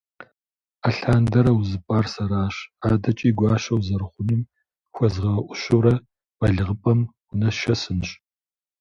Алъандэрэ узыпӀар сэращ, адэкӀи гуащэ узэрыхъуным ухуэзгъэӀущурэ балигъыпӀэм унэсшэсынщ.